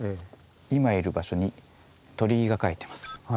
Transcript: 今いる場所に鳥居が描いてます。